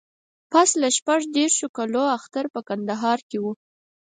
پسله شپږ دیرشو کالو اختر په کندهار کې و.